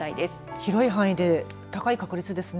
広い範囲で高い確率ですね。